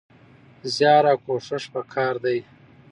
زيار او کوښښ پکار دی.